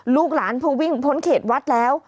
ลูกหลานพอวิ่งพ้นเขตวัดแล้ว